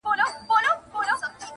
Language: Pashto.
تاو یې دی له سره خو حریر خبري نه کوي,